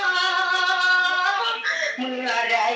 ขึ้นมันเป็นตันแต่ก็ยังไม่ได้ห่วยตัว